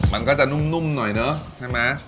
มันก็จะนุ่มหน่อยเนอะใช่ไหม